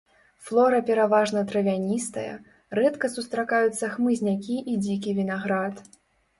Флора пераважна травяністая, рэдка сустракаюцца хмызнякі і дзікі вінаград.